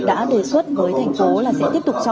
đã đề xuất với thành phố là sẽ tiếp tục cho